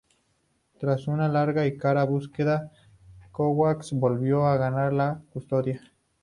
Tras una larga y cara búsqueda, Kovacs volvió a ganar la custodia.